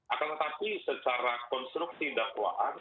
akan tetapi secara konstruksi dakwaan